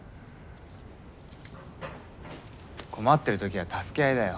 困ってる時は助け合いだよ。